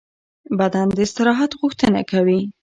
بدن د استراحت غوښتنه کوي.